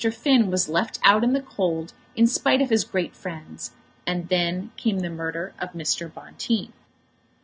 Finn was left out in the cold in spite of his great friends, and then came the murder of Mr. Bonteen.